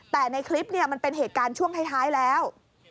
แต่ในคลิปมันเป็นเหตุการณ์ช่วงท้ายแล้ว